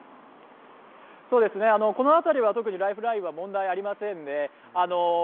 この辺りは特にライフラインは問題ありませんね。